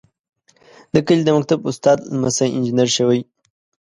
د کلي د مکتب استاد لمسی انجنیر شوی.